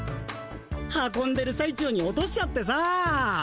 運んでるさい中に落としちゃってさ。